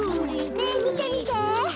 ねえみてみて。